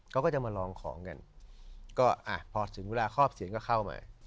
เขาก็จะมาลองของกันก็อ่ะพอถึงเวลาครอบเสียงก็เข้ามา